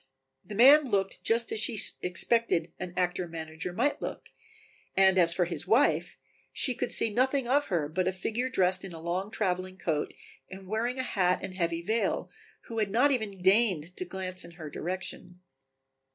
The man looked just as she expected an actor manager might look, and as for his wife, she could see nothing of her but a figure dressed in a long traveling coat and wearing a hat and heavy veil, who had not even deigned to glance in her direction.